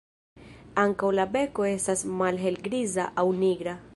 Ankaŭ la beko estas malhelgriza aŭ nigra.